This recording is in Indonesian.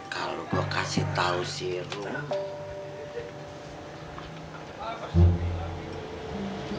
kalo gue kasih tau si robby